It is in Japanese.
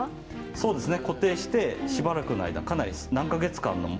そうですね。